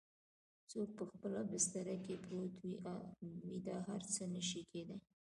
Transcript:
څوک په خپله بستره کې پروت وي دا هر څه نه شي کیدای؟